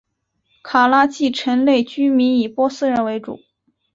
卡拉季城内居民以波斯人为主。